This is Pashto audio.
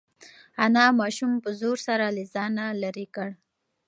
انا ماشوم په زور سره له ځانه لرې کړ.